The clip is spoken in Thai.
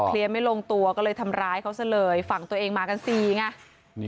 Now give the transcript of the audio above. ไม่ลงตัวก็เลยทำร้ายเขาซะเลยฝั่งตัวเองมากันสี่ไง